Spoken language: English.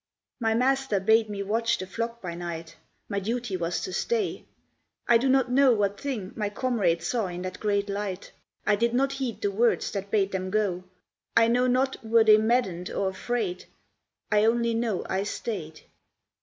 _ My master bade me watch the flock by night; My duty was to stay. I do not know What thing my comrades saw in that great light, I did not heed the words that bade them go, I know not were they maddened or afraid; I only know I stayed.